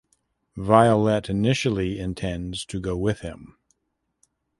Violette initially intends to go with him.